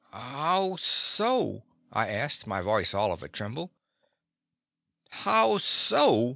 "How so?" I asked, my voice all of a tremble. "How so?"